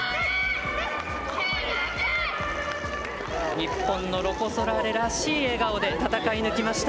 日本のロコ・ソラーレらしい笑顔で戦い抜きました。